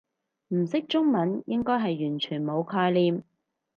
唔識中文應該係完全冇概念